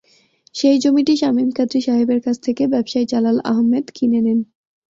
সেই জমিটি শামীম কাদরী সাহেবের কাছ থেকে ব্যবসায়ী জালাল আহম্মেদ কিনে নেন।